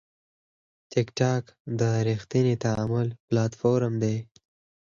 ټکټاک د ریښتیني تعامل پلاتفورم دی.